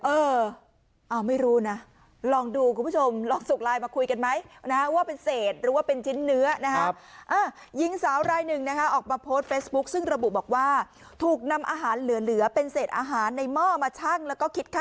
เออไม่รู้นะลองดูคุณผู้ชมลองสุกไลน์มาคุยกันไหม